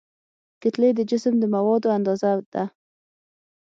کتلې د جسم د موادو اندازه ده.